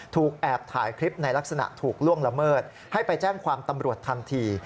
ถูกแอบถ่ายคลิปในลักษณะถูกล่วงละเมิดให้ไปแจ้งความตำรวจทันที